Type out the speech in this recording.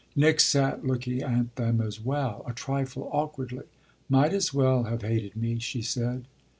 Nick sat looking at them as well a trifle awkwardly. "Might as well have hated me," she said.